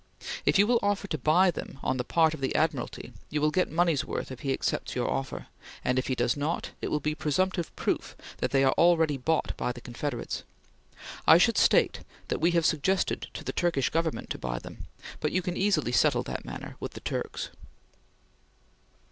If you will offer to buy them on the part of the Admiralty you will get money's worth if he accepts your offer; and if he does not, it will be presumptive proof that they are already bought by the Confederates. I should state that we have suggested to the Turkish Government to buy them; but you can easily settle that matter with the Turks....